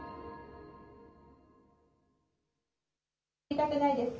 痛くないですか？